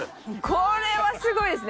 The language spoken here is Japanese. これはすごいですね。